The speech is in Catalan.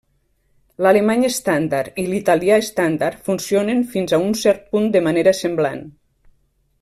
L'alemany estàndard i l'italià estàndard funcionen fins a un cert punt de manera semblant.